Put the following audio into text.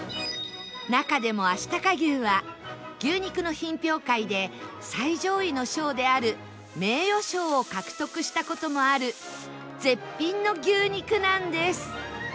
中でもあしたか牛は牛肉の品評会で最上位の賞である名誉賞を獲得した事もある絶品の牛肉なんです